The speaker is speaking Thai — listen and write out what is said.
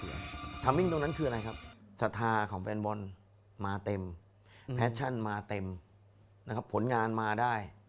ยอมงานมาเต็มผลงานมาได้